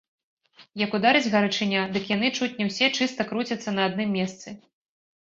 Як ударыць гарачыня, дык яны чуць не ўсе чыста круцяцца на адным месцы.